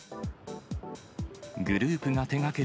グループが手がける